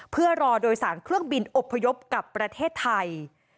เพื่อรอโดยสารเครื่องบินอบพยพกับประเทศไทย